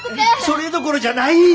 それどころじゃない！